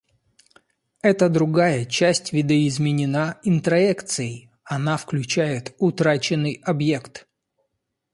Эта другая часть видоизменена интроекцией, она включает утраченный объект.